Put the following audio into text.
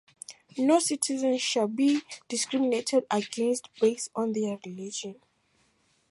No citizen shall be discriminated against based on their religion.